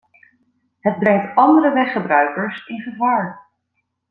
Het brengt andere weggebruikers in gevaar.